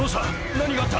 何があった？